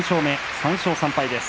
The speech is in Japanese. ３勝３敗です。